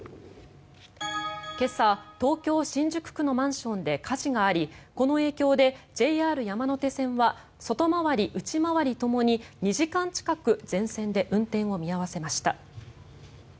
今朝、東京・新宿区のマンションで火事がありこの影響でＪＲ山手線は外回り・内回りともに２時間近く全線で運転を見合わせました。